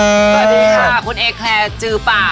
สวัสดีค่ะลูกแฮร์คุณเอะแครียร์จื๊บบ่า